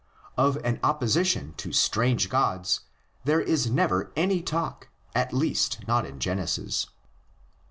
Of an opposition to strange gods there is never any talk, at least not in Genesis.